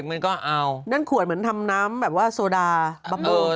มันก็เอานั่นขวดเหมือนทำน้ำแบบว่าโซดาบำเบิด